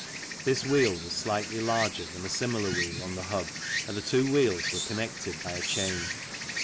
This wheel was slightly larger than a similar wheel on the hub and the two wheels were connected by a chain.